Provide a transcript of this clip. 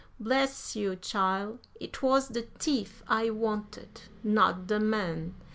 "Bless you, chile, it wuz de teef I wanted, not de man!